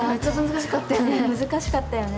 難しかったよね。